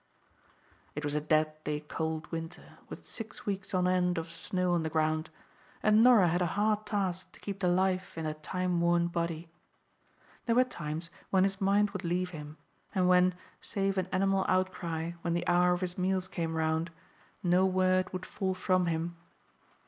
It was a deadly cold winter, with six weeks on end of snow on the ground, and Norah had a hard task to keep the life in that time worn body. There were times when his mind would leave him, and when, save an animal outcry when the hour of his meals came round, no word would fall from him.